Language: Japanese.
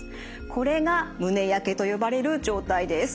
これが胸やけと呼ばれる状態です。